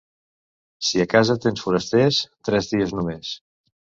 Si a casa tens forasters, tres dies només.